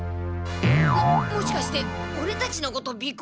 ももしかしてオレたちのことびこうして？